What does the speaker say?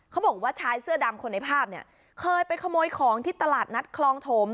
เขาบอกว่าชายเสื้อดำคนในภาพเนี่ยเคยไปขโมยของที่ตลาดนัดคลองถม